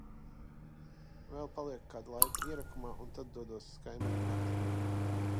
Vēl palieku kādu laiku ierakumā un tad dodos uz kaimiņu bateriju.